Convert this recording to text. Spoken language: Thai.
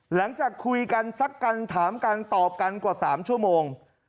หลังจากคุยกันซักกันถามกันตอบกันกว่า๓ชั่วโมง